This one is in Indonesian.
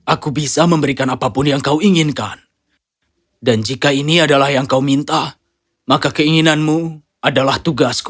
aku bisa memberikan apapun yang kau inginkan dan jika ini adalah yang kau minta maka keinginanmu adalah tugasku